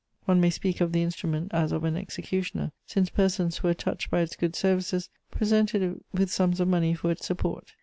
One may speak of the instrument as of an executioner, since persons who were touched by its good services presented it with sums of money for its support.